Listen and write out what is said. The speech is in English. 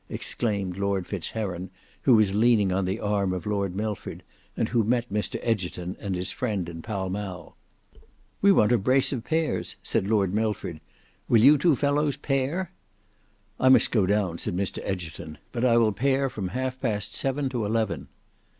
exclaimed Lord Fitz Heron, who was leaning on the arm of Lord Milford, and who met Mr Egerton and his friend in Pall Mall. "We want a brace of pairs," said Lord Milford. "Will you two fellows pair?" "I must go down," said Mr Egerton; "but I will pair from halfpast seven to eleven."